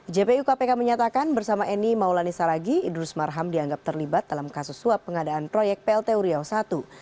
jpu kpk menyatakan bersama eni maulani saragi idrus marham dianggap terlibat dalam kasus suap pengadaan proyek plt uriau i